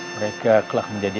mereka telah menjadi